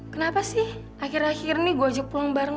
kenapa sih akhir akhir ini gue ajak pulang bareng